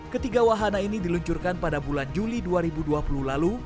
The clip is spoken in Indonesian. ketiga wahana ini diluncurkan pada bulan juli dua ribu dua puluh lalu